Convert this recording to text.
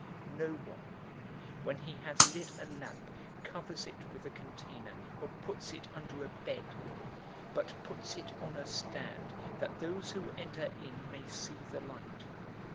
008:016 "No one, when he has lit a lamp, covers it with a container, or puts it under a bed; but puts it on a stand, that those who enter in may see the light.